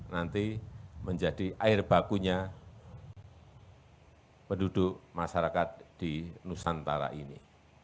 nanti menjadi air bakunya penduduk masyarakat di nusantara ini